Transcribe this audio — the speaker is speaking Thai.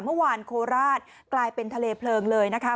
เมื่อวานโคราชกลายเป็นทะเลเพลิงเลยนะคะ